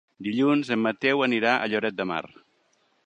Dilluns en Mateu anirà a Lloret de Mar.